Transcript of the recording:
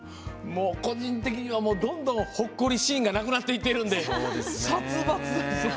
個人的にはどんどん、ほっこりシーンがなくなってきてるので殺伐として。